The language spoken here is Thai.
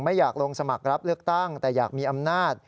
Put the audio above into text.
ไม่อยากลงสมัครรับเลือกตั้งแต่อยากมีอำนาจ